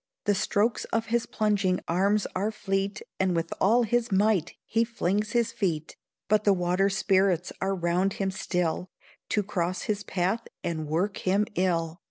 The strokes of his plunging arms are fleet, And with all his might he flings his feet, But the water sprites are round him still, To cross his path and work him ill.